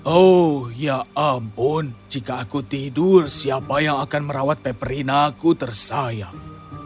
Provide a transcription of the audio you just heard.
oh ya ampun jika aku tidur siapa yang akan merawat peperinaku tersayang